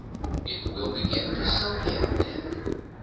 It will begin to soak in, then.